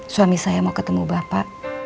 suami saya mau ketemu bapak